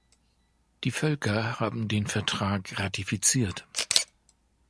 Die Völker haben den Vertrag ratifiziert.